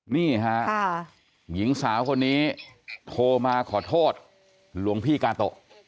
นี่ฮะหญิงสาวคนนี้โทรมาขอโทษหลวงพี่กาโตะ